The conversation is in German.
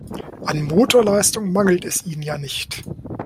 An Motorleistung mangelt es ihnen ja nicht.